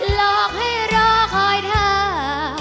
หลอกให้รอคอยท่า